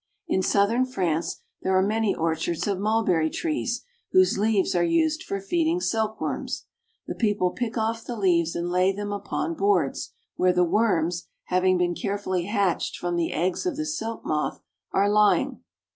In southern France there are many orchards of mulberry trees, whose leaves are used for feeding silk worms. The people pick off the leaves and lay them upon boards, where the worms, having been carefully hatched from the eggs of the silk moth, are lying.